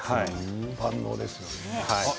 万能ですよね。